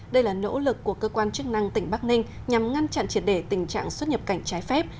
đây là nỗ lực của cơ quan chức năng tỉnh bắc ninh nhằm ngăn chặn triệt để tình trạng xuất nhập cảnh trái phép